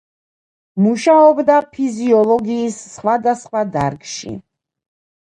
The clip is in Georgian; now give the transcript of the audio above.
მუშაობდა ფიზიოლოგიის სხვადასხვა დარგში.